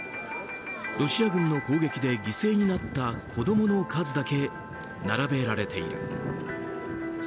ロシア軍の攻撃で犠牲になった子供の数だけ並べられている。